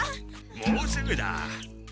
もうすぐ。